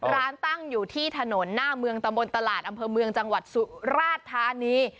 ร้านตั้งอยู่ที่ถนนหน้าเมืองตำบลตลาดอำเภอเมืองจังหวัดสุราชธานี